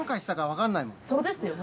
そうですよね。